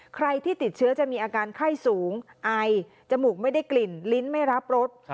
ใครที่ติดเชื้อจะมีอาการไข้สูงไอจมูกไม่ได้กลิ่นลิ้นไม่รับรส